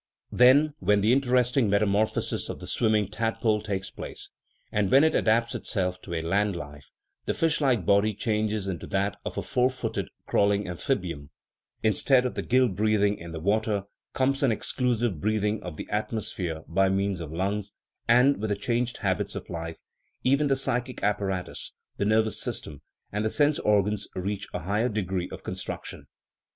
Then, when the interesting metamorphosis of the swimming tadpole takes place, and when it adapts itself to a land life, the fish like body changes into that of a four footed, crawl ing amphibium; instead of the gill breathing in the water comes an exclusive breathing of the atmosphere by means of lungs, and, with the changed habits of life, even the psychic apparatus, the nervous system, and the sense organs reach a higher degree of con struction.